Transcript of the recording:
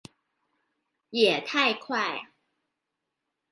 也太快